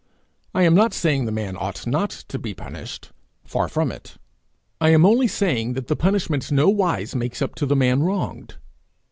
I am not saying the man ought not to be punished far from it; I am only saying that the punishment nowise makes up to the man wronged.